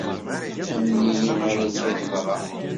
Amen-iyi ar akka i teḍra.